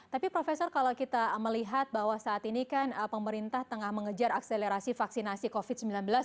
tapi profesor kalau kita melihat bahwa saat ini kan pemerintah tengah mengejar akselerasi vaksinasi covid sembilan belas